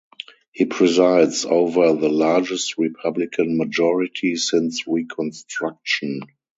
He presides over the largest Republican majority since Reconstruction.